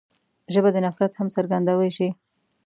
ژبه د نفرت هم څرګندوی شي